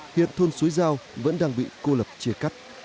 hiện thôn suối giao vẫn đang bị cô lập chia cắt